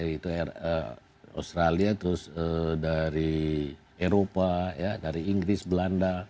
itu australia terus dari eropa dari inggris belanda